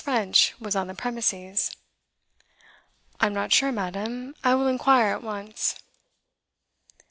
French was on the premises. 'I'm not sure, madam. I will inquire at once.